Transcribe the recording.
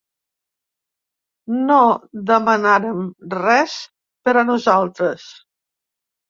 No demanarem res per a nosaltres.